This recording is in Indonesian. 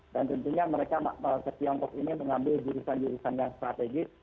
dan tentunya mereka ke tiongkok ini mengambil jurusan jurusan yang strategis